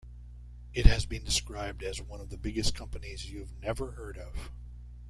It has been described as one of the biggest companies you've never heard of.